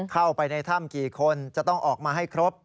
เข้าไปในถ้ำกี่คนจะต้องออกมาให้ครบ